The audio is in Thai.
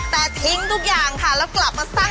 แต่ทิ้งทุกอย่างค่ะแล้วกลับมาสร้าง